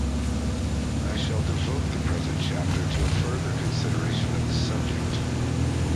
I shall devote the present chapter to a further consideration of the subject.